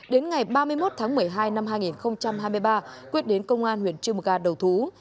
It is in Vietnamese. đến ngày ba mươi một tháng một mươi hai năm hai nghìn hai mươi ba quyết đến công an huyện trư mờ ga đầu thú